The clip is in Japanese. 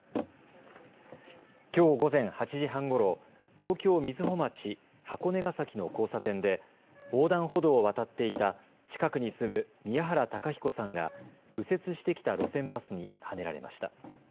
きょう午前８時半ごろ東京瑞穂町箱根ヶ崎の交差点で横断歩道を渡っていた近くに住む宮原隆彦さんが右折してきた路線バスにはねられました。